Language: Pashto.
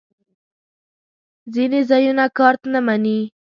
ځینې ځایونه کارت نه منی